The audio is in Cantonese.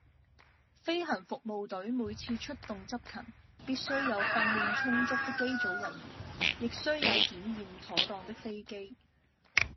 飛行服務隊每次出動執勤，必須有訓練充足的機組人員，亦須有檢驗妥當的飛機。